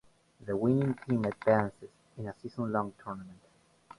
The winning team advances in a season-long tournament.